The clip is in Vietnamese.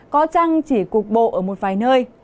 có trăng chỉ cục bộ ở một vài nơi